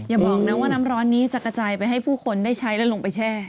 อย่าบอกนะว่าน้ำร้อนนี้จะกระจายไปให้ผู้คนได้ใช้แล้วลงไปแช่